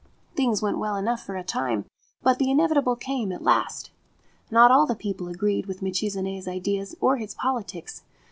Things went well enough for a time ; but the inevit able came at last. Not all the people agreed with Michizane's ideas or his politics.